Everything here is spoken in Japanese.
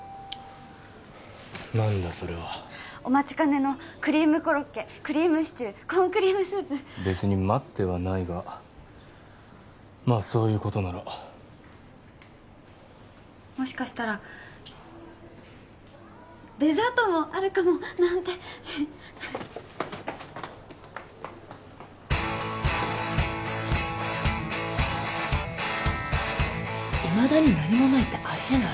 何だそれはお待ちかねのクリームコロッケクリームシチューコーンクリームスープ別に待ってはないがまあそういうことならもしかしたらデザートもあるかもなんていまだに何もないってありえない